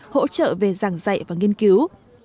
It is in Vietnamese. hỗ trợ về giảng dạy và nghiên cứu